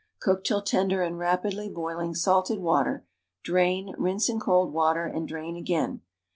Cook till tender in rapidly l)oiling salted water, drain, rinse in cold \\ater and drain again.